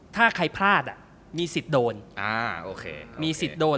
ถ้าใครพลาดมีสิทธิ์โดน